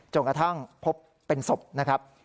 กระทั่งพบเป็นศพนะครับ